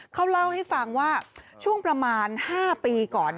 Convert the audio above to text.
เขาเล่าให้ฟังว่าช่วงประมาณ๕ปีก่อน